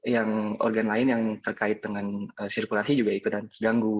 yang organ lain yang terkait dengan sirkulasi juga ikut dan diganggu